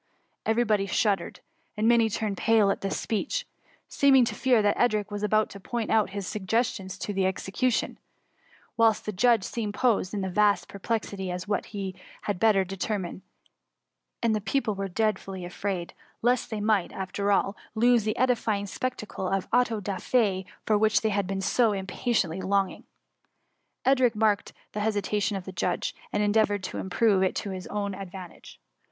Every one shuddered, and many turned pale at this speech, seeming to fear that Edric was about to put his suggestions into execution; whilst the judge seemed posed, and in vast per plexity as to what he had better determine ;— and the people were dreadfully afraid, lest they might, after all, lose the edifying spectacle of an auto da fi^ for which they had been so im patiently longing. « 4 TKS IfUMMt. 899 Edric marked the hesitation of the judge, and endeavoured to improve it to his own ad vantage.